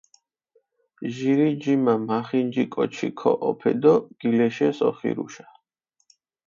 ჟირი ჯიმა მახინჯი კოჩი ქოჸოფე დო გილეშეს ოხირუშა.